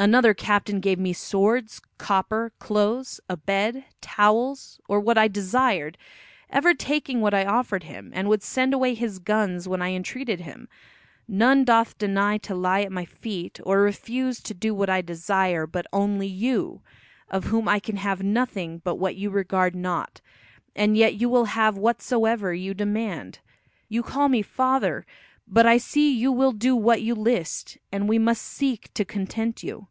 Another captain gave me swords, copper, clothes, a bed, towels or what I desired, ever taking what I offered him, and would send away his guns when I entreated him; none doth deny to lie at my feet or refuse to do what I desire but only you, of whom I can have nothing but what you regard not, and yet you will have whatsoever you demand. You call me father, but I see you will do what you list, and we must seek to content you.